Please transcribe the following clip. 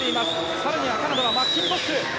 更にはカナダはマッキントッシュ。